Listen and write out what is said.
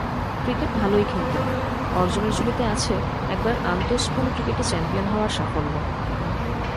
Cricket ভালোই খেলতেন, অর্জনের ঝুলিতে আছে একবার আন্তস্কুল ক্রিকেটে চ্যাম্পিয়ন হওয়ার সাফল্য।